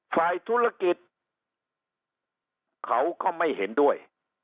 ฝ่ายธุรกิจเขาก็ไม่เห็นด้วย